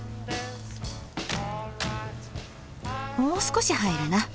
もう少し入るな。